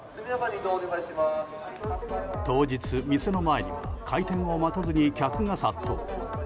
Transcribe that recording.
当日、店の前には開店を待たずに客が殺到。